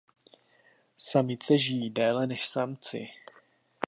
Samice žijí déle než samci.